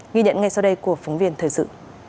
ghi nhận ngay sau đây của phóng viên thời sự